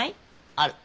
ある。